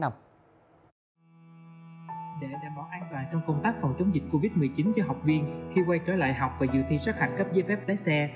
để đảm bảo an toàn trong công tác phòng chống dịch covid một mươi chín cho học viên khi quay trở lại học và dự thi sát hạch cấp giấy phép lái xe